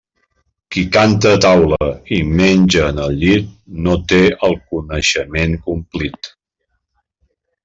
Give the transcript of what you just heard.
Qui canta a taula i menja en el llit no té el coneixement complit.